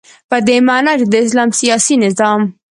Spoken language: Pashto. په دی معنا چی د اسلام سیاسی نظام